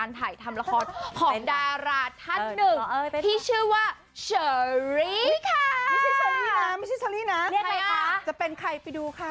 เรียกมั้ยคะจะเป็นใครไปดูค่ะอืมมมเรียกมั้ยคะจะเป็นใครไปดูค่ะ